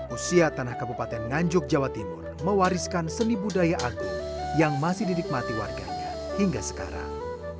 usia tanah kabupaten nganjuk jawa timur mewariskan seni budaya agung yang masih didikmati warganya hingga sekarang